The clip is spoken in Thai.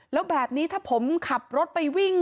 แล้วแบบนี้ถ้าผมขับรถไปวิ่ง